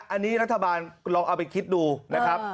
อันนี้รัฐบาลลองเอาไปคิดดูนะครับ